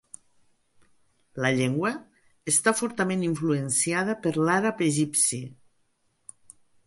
La llengua està fortament influenciada per l'àrab egipci.